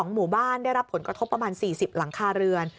หมู่บ้านได้รับผลกระทบประมาณ๔๐หลังคาเรือน